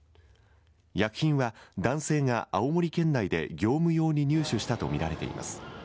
薬品は、男性が青森県内で業務用に入手したと見られています。